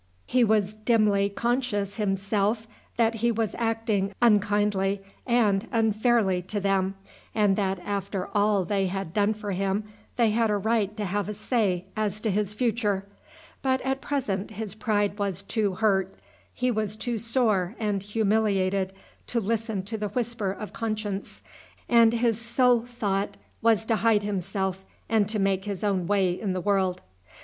He was dimly conscious himself that he was acting unkindly and unfairly to them, and that after all they had done for him they had a right to have a say as to his future; but at present his pride was too hurt, he was too sore and humiliated to listen to the whisper of conscience, and his sole thought was to hide himself and to make his own way in the world.